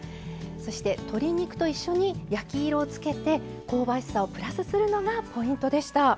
そして鶏肉と一緒に焼き色をつけて香ばしさをプラスするのがポイントでした。